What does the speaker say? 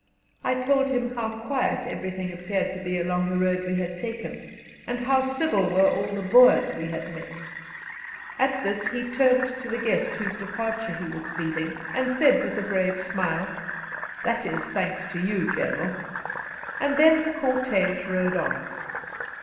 I told him how quiet everything appeared to be along the road we had taken, and how civil were all the Boers we had met. At this he turned to the guest whose departure he was speeding, and said, with a grave smile, "That is thanks to you, General." And then the cortege rode on.